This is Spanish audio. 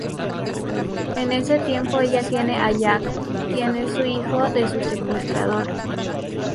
En ese tiempo ella tiene a Jack, quien es hijo de su secuestrador.